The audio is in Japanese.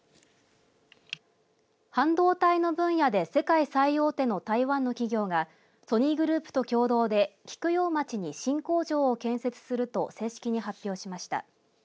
半導体の分野で世界最大手の台湾の企業がソニーグループと共同で菊陽町に新工場を建設すると正式に発表しました。